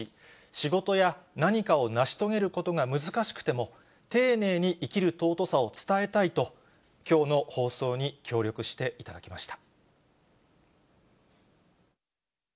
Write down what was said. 仕事や何かを成し遂げることが難しくても、丁寧に生きる尊さを伝えたいと、きょうの放送に協力していただきました。